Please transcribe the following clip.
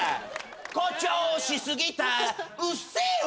誇張しすぎた『うっせぇわ』